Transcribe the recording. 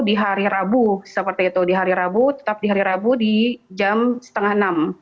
di hari rabu seperti itu di hari rabu tetap di hari rabu di jam setengah enam